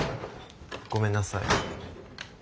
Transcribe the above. ごめんなさい。